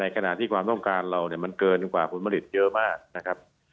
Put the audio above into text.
ขณะนี้คุณบอกว่ามันเกินกว่าผลผลิตเยอะมาก